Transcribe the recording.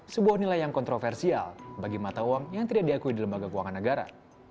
sebuah nilai yang kontroversial bagi mata uang yang tidak diakui di lembaga keuangan negara